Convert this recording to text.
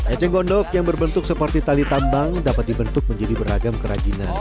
eceng gondok yang berbentuk seperti tali tambang dapat dibentuk menjadi beragam kerajinan